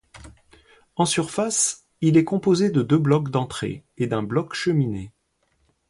En surface, il est composé de deux blocs d’entrée et d'un bloc cheminée.